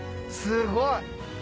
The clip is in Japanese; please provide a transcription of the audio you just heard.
すごい。